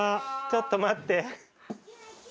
ちょっと待って。